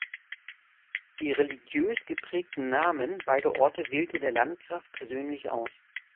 Die religiös geprägten Namen beider Orte wählte der Landgraf persönlich aus.